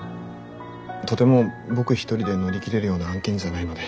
とても僕一人で乗り切れるような案件じゃないので。